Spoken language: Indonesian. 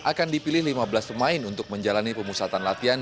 akan dipilih lima belas pemain untuk menjalani pemusatan latihan